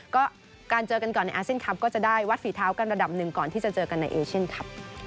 ก็การเจอกันก่อนในอาเซียนคลับก็จะได้วัดฝีเท้ากันระดับหนึ่งก่อนที่จะเจอกันในเอเชียนครับ